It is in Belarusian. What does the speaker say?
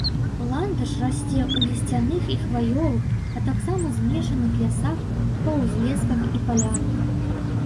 Ландыш расце ў лісцяных і хваёвых, а таксама змешаных лясах, па ўзлесках і палянах.